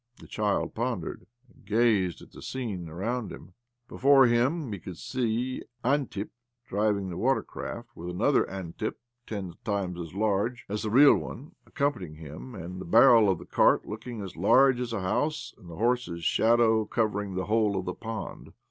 The child pondered, and gazed at the scene around him. Before him he could see Antip driving the watercart, with another Antip, ten times as large as the real one, accompanying him, and the barrel of the cart looking as large as a house, and the horse's shadow covering the whole of the pond.